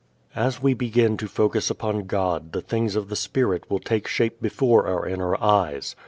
As we begin to focus upon God the things of the spirit will take shape before our inner eyes.